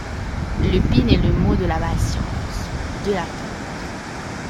Le Pin est le mot de la patience, de l’attente.